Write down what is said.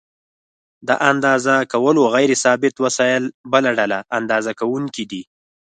د اندازه کولو غیر ثابت وسایل بله ډله اندازه کوونکي دي.